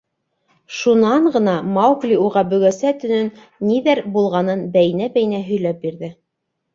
Шунан ғына Маугли уға бөгәсә төнөн ниҙәр булғанын бәйнә-бәйнә һөйләп бирҙе.